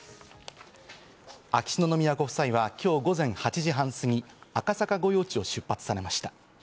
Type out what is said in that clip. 秋篠宮ご夫妻は、今日午前８時半過ぎ、赤坂御用地を出発されました。